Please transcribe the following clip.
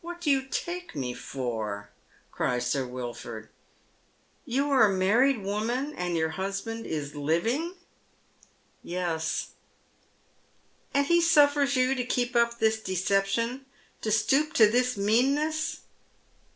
What do you take me for ?" cries Sir Wilford. ''Tou are a married woman, and your husband is living ?" Tilherry Steeplechisa. Sll "Yes." •* And he suffers you to keep up this deception — to stoop to this meanness.